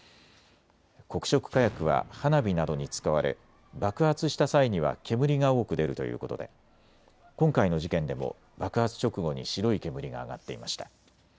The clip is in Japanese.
黒色火薬は花火などに使われ爆発した際には煙が多く出るということで今回の事件でも爆発直後に白い煙が上がっていました。